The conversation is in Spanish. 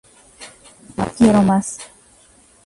Quiero más.